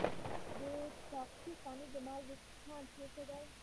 د طاقچه خانې د مالګې کان چیرته دی؟